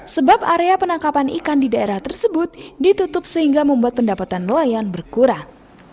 sebab area penangkapan ikan di daerah tersebut ditutup sehingga membuat pendapatan nelayan berkurang